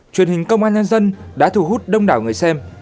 truyền hình công an nhân dân đã thu hút đông đảo người xem